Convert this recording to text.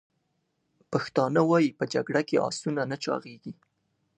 پښتانه وایي: « په جګړه کې اسونه نه چاغیږي!»